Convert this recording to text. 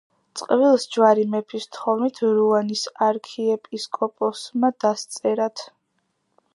წყვილს ჯვარი მეფის თხოვნით რუანის არქიეპისკოპოსმა დასწერათ.